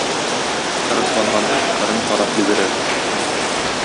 Кырысланган эт кырын карап йөгерер.